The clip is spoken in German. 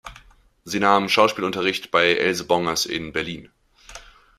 Sie nahm Schauspielunterricht bei Else Bongers in Berlin.